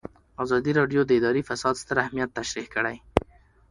ازادي راډیو د اداري فساد ستر اهميت تشریح کړی.